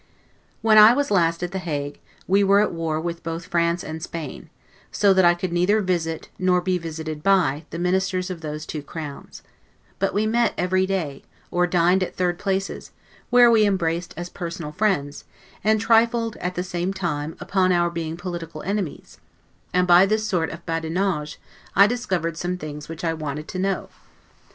When I was last at The Hague, we were at war with both France and Spain; so that I could neither visit, nor be visited by, the Ministers of those two Crowns; but we met every day, or dined at third places, where we embraced as personal friends, and trifled, at the same time, upon our being political enemies; and by this sort of badinage I discovered some things which I wanted to know.